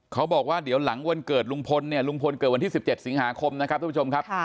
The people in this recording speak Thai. เขาบอกว่าเดี๋ยวหลังวันเกิดลุงพลเนี่ยลุงพลเกิดวันที่๑๗สิงหาคมนะครับทุกผู้ชมครับ